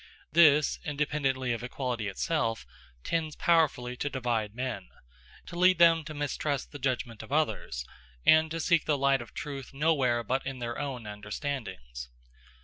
This, independently of equality itself, tends powerfully to divide men to lead them to mistrust the judgment of others, and to seek the light of truth nowhere but in their own understandings.